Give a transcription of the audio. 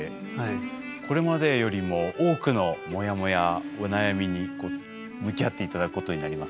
これまでよりも多くのモヤモヤお悩みにこう向き合って頂くことになりますが。